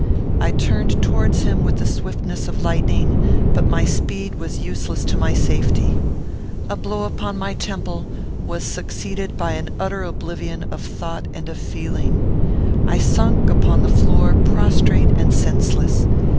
I turned towards him with the swiftness of lightning; but my speed was useless to my safety. A blow upon my temple was succeeded by an utter oblivion of thought and of feeling. I sunk upon the floor prostrate and senseless.